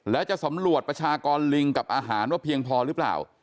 และจะสำรวจประชากรลิงกับอาหารว่าเพียงพอหรือเปล่า